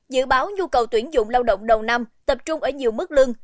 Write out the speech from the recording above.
dự báo nhu cầu tuyển dụng lao động đầu năm tập trung ở nhiều mức lương